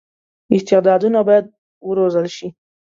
استعدادونه باید وروزل شي.